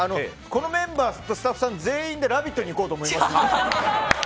このメンバーとスタッフさん全員で「ラヴィット！」に行こうと思います。